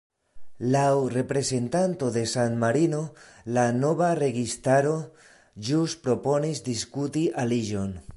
Laŭ reprezentanto de San-Marino, la nova registaro ĵus proponis diskuti aliĝon.